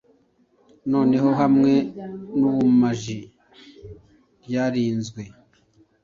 noneho hamwe nubumaji ryarinzwe